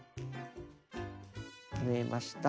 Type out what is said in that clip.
縫えました。